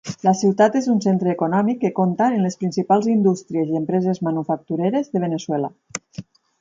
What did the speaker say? La ciutat és un centre econòmic que compta amb les principals indústries i empreses manufactureres de Veneçuela.